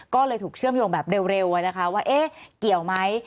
ก็เลยถูกเชื่อมโยงแบบเร็วว่าเอ๊ะเกี่ยวไหม